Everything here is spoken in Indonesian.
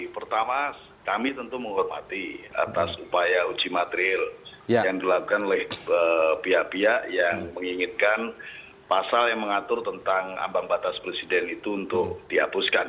pertama kami tentu menghormati atas upaya uji materil yang dilakukan oleh pihak pihak yang menginginkan pasal yang mengatur tentang ambang batas presiden itu untuk dihapuskan